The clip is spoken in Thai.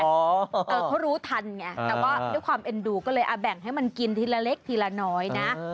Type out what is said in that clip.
เขารู้ทันไงแต่ว่าด้วยความเอ็นดูก็เลยแบ่งให้มันกินทีละเล็กทีละน้อยนะ